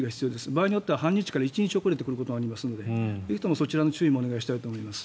場合によっては半日から１日遅れて来ることもありますのでぜひともそちらの注意もお願いしたいと思います。